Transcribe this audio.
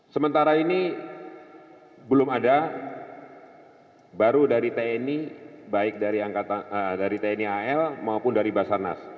sementara ini belum ada baru dari tni baik dari tni al maupun dari basarnas